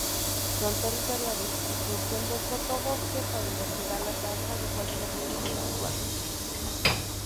Son territoriales y surgen del sotobosque para investigar la causa de cualquier ruido inusual.